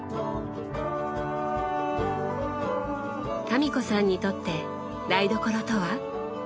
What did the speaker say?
民子さんにとって台所とは？